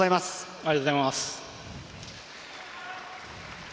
ありがとうございます。